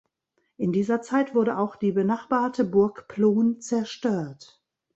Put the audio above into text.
In dieser Zeit wurde auch die benachbarte Burg Plohn zerstört.